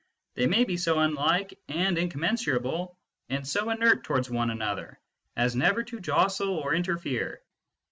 They may be so unlike and incommensurable, and so inert towards one another, as never to jostle or interfere.